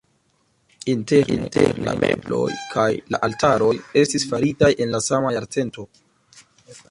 Interne la mebloj kaj la altaroj estis faritaj en la sama jarcento.